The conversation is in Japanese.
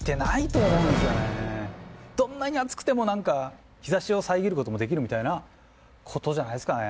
どんなに暑くても何か日ざしを遮ることもできるみたいなことじゃないっすかね。